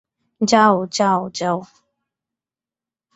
যাও, যাও, যাও।